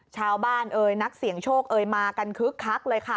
ชาวบ้านเอ๋ยนักเสียงโชคเอ๋ยมากันคึกคักเลยค่ะ